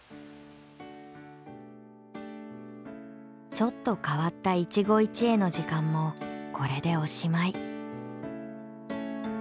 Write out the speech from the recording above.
ちょっと変わった一期一会の時間もこれでおしまい。